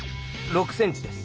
６ｃｍです。